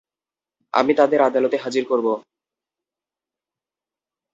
আমি তাদের আদালতে হাজির করব।